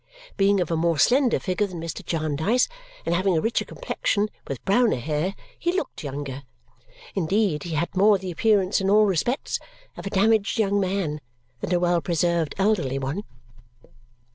Being of a more slender figure than Mr. Jarndyce and having a richer complexion, with browner hair, he looked younger. Indeed, he had more the appearance in all respects of a damaged young man than a well preserved elderly one.